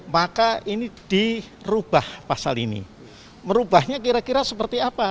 maka ini dirubah pasal ini merubahnya kira kira seperti apa